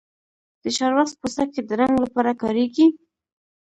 د چارمغز پوستکی د رنګ لپاره کاریږي؟